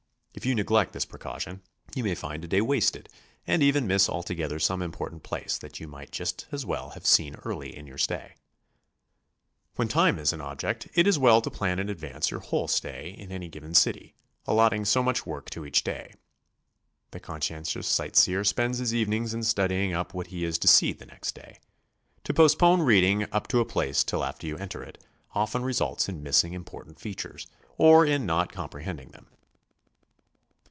If you neglect this precaution, you may find a day wasted, and even miss altogether seme important place that you might just as well have seen early in your stay. When time is an object, it is w'ell to plan in advance your w'hole stay in any given city, allotting so much work to each day. The conscientious sight seer spends his evenings in studying up what he is to see the next day. To postpone reading up a place till after you enter it, often results in miss ing important features, or in not comprehending them.